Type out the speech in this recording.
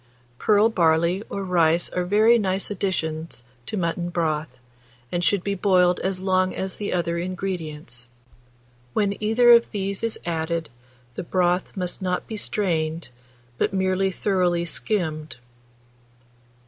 Pearl barley or rice are very nice additions to mutton broth, and should be boiled as long as the other ingredients. When either of these is added, the broth must not be strained, but merely thoroughly skimmed.